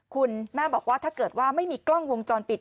คุณแม่บอกว่าถ้าเกิดว่าไม่มีกล้องวงจรปิด